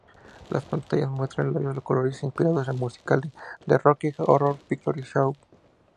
Las pantallas muestran labios coloridos inspirados por el musical "The Rocky Horror Picture Show".